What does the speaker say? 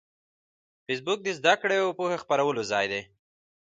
فېسبوک د زده کړې او پوهې د خپرولو ځای دی